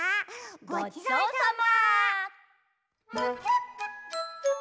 ごちそうさま。